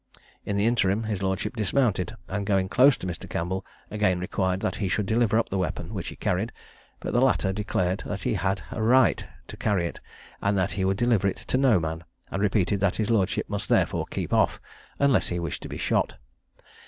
In the interim, his lordship dismounted, and going close to Mr. Campbell, again required that he should deliver up the weapon which he carried, but the latter declared that he had a right to carry it, and that he would deliver it to no man, and repeated that his lordship must therefore keep off, unless he wished to be shot.